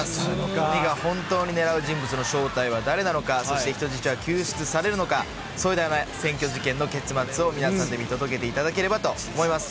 鬼が本当に狙う人物の正体は誰なのか、そして、人質は救出されるのか、壮大な占拠事件の結末を皆さんで見届けていただければと思います。